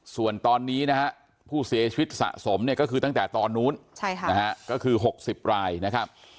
ส่วนตอนนี้นะฮะผู้เสียชีวิตสะสมเนี่ยก็คือตั้งแต่ตอนนู้นก็คือ๖๐รายนะครับ